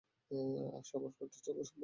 আর সভার কার্য চলা অসম্ভব।